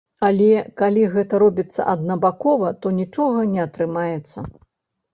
Але калі гэта робіцца аднабакова, то нічога не атрымаецца.